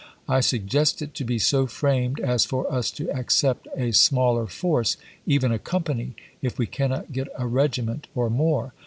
I suggest it to be so framed as for us to accept a smaller force — even a company — if we cannot get a regiment or more.